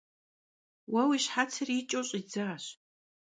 Vue vui şhetsır yiç'ıu ş'idzaş.